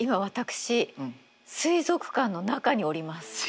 私水族館の中におります。